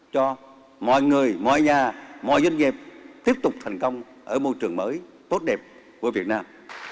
cho mọi người mọi nhà mọi doanh nghiệp tiếp tục thành công ở môi trường mới tốt đẹp của việt nam